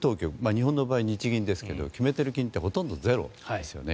日本の場合、日銀ですけど決めてるんですがほとんどゼロですよね。